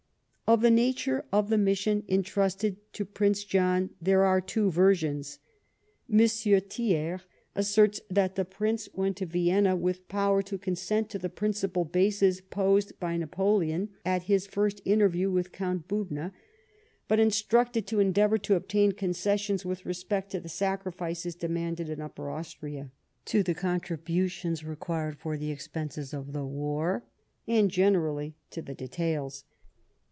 Of the nature of the mission entrusted to Prince John there are two versions. M. Thiers asserts that the Prince went to Vienna with power to consent to the principal bases posed by Napoleon at his first interview with Count Bubna, but instructed to endeavour to obtain concessions with respect to the sacrifices demanded in Upper Austria ; to the contributions required for the expenses of the war, and, generally, to the details.